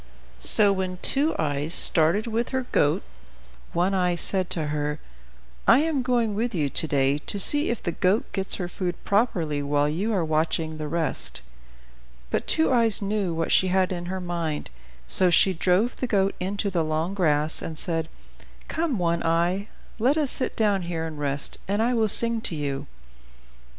So when Two Eyes started with her goat, One Eye said to her, "I am going with you to day to see if the goat gets her food properly while you are watching the rest." But Two Eyes knew what she had in her mind. So she drove the goat into the long grass, and said, "Come, One Eye, let us sit down here and rest, and I will sing to you."